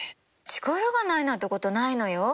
力がないなんてことないのよ。